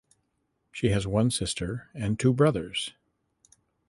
She has one sister and two brothers.